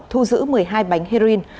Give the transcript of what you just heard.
thu giữ một mươi hai bánh heroin